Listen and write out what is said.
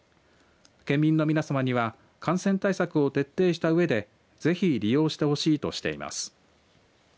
県民の皆さまには感染対策を徹底したうえでぜひ利用してほしいとしています。